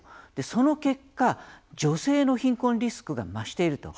その結果、女性の貧困リスクが増していると。